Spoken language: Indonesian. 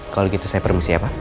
kalo gitu saya permisi ya pak